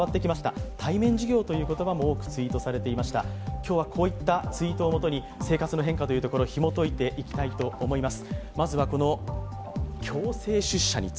今日はこういったツイートをもとに生活の変化をひも解いていこうと思います。